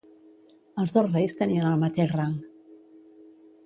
Els dos reis tenien el mateix rang.